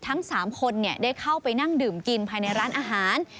ทั้ง๓คนได้เข้าไปนั่งดื่มกินภายในร้านอาหาร